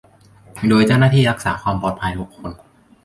โดยเจ้าหน้าที่รักษาความปลอดภัย หก คน